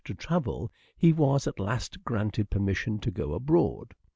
to travel he was at last granted permission to go abroad.